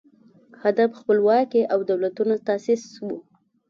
هدف خپلواکي او دولتونو تاسیس و